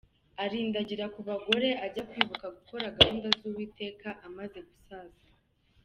Arindagirira mu bagore ajya kwibuka gukora gahunda z’Uwiteka amaze gusaza.